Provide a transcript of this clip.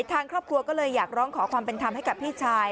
ทางครอบครัวก็เลยอยากร้องขอความเป็นธรรมให้กับพี่ชาย